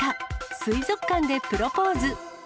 水族館でプロポーズ。